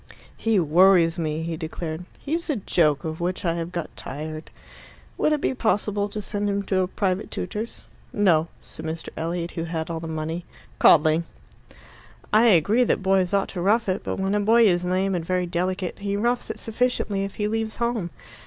"He worries me," he declared. "He's a joke of which I have got tired." "Would it be possible to send him to a private tutor's?" "No," said Mr. Elliot, who had all the money. "Coddling." "I agree that boys ought to rough it; but when a boy is lame and very delicate, he roughs it sufficiently if he leaves home.